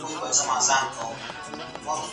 تاسي په دغي غونډي کي حاضر واست.